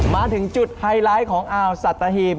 มาถึงจุดไฮไลท์ของอ่าวสัตหีบ